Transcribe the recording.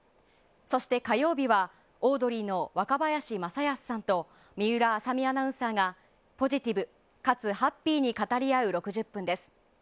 そして火曜日はオードリーの若林正恭さんと水卜麻美アナウンサーがポジティブかつハッピーに語り合う６０分です。